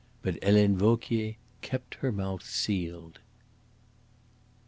But Helene Vauquier kept her mouth sealed.